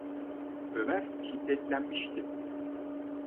Ömer hiddetlenmişti: